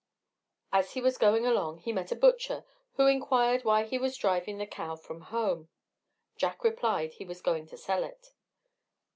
As he was going along he met a butcher, who inquired why he was driving the cow from home? Jack replied, he was going to sell it.